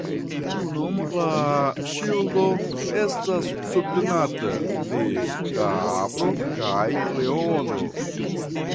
La ŝildo estas subtenata de kapro kaj leono.